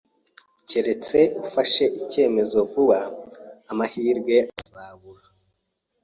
Keretse ufashe icyemezo vuba, amahirwe azabura.